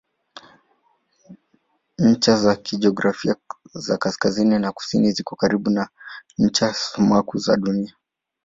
Ncha za kijiografia za kaskazini na kusini ziko karibu na ncha sumaku za Dunia.